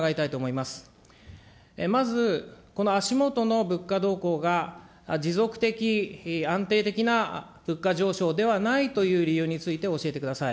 まず、この足下の物価動向が持続的、安定的な物価上昇ではないという理由について教えてください。